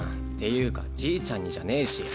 っていうかじいちゃんにじゃねぇし。